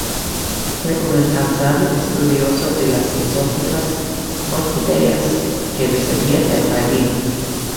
Fue un incansable estudioso de las exóticas orquídeas que recibía el Jardín.